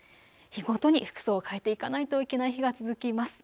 日ごとに服装を変えていかないといけない日が続きます。